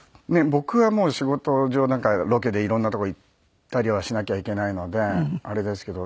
僕はもう仕事上なんかロケで色んな所行ったりはしなきゃいけないのであれですけど